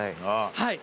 はい。